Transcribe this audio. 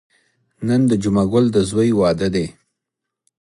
نن د جمعه ګل د ځوی واده دی.